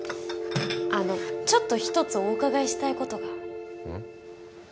あのちょっと一つお伺いしたいことがうん？